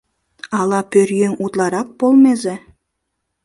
Ала пӧръеҥ утларак полмезе?